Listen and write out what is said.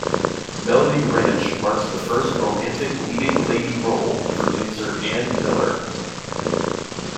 "Melody Ranch" marks the first romantic leading lady role for dancer Ann Miller.